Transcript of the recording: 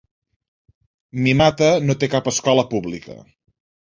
Mimata no té cap escola pública.